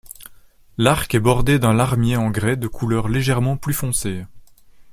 L'arc est bordé d'un larmier en grès de couleur légèrement plus foncée.